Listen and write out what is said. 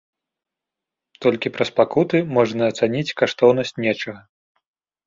Толькі праз пакуты можна ацаніць каштоўнасць нечага.